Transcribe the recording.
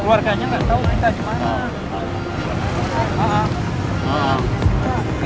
keluarganya gak tau kita dimana